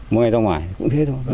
mua mẹ ra ngoài cũng thế thôi